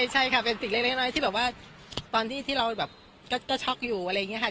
ใช่ค่ะเป็นสิ่งเล็กที่บอกว่าตอนที่ที่เราก็ช็อกอยู่อะไรอย่างนี้ค่ะ